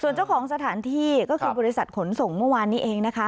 เจ้าของสถานที่ก็คือบริษัทขนส่งเมื่อวานนี้เองนะคะ